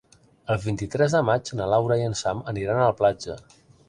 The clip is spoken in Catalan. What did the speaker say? El vint-i-tres de maig na Laura i en Sam aniran a la platja.